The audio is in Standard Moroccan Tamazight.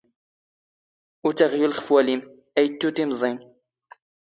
ⵓⵜ ⴰⵖⵢⵓⵍ ⵅⴼ ⵡⴰⵍⵉⵎ, ⴰⵢ ⵉⵜⵜⵓ ⵜⵉⵎⵥⵉⵏ